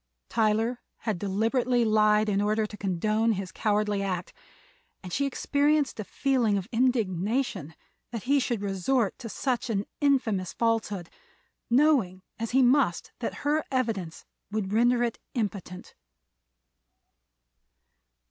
Tyler had deliberately lied in order to condone his cowardly act, and she experienced a feeling of indignation that he should resort to such an infamous falsehood, knowing as he must that her evidence would render it impotent.